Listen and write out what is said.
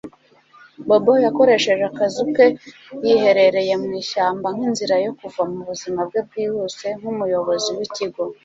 Bobo yakoresheje akazu ke yiherereye mu ishyamba nkinzira yo kuva mu buzima bwe bwihuse nkumuyobozi wikigo